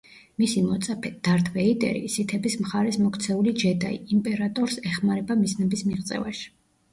მისი მოწაფე, დართ ვეიდერი, სითების მხარეს მოქცეული ჯედაი, იმპერატორს ეხმარება მიზნების მიღწევაში.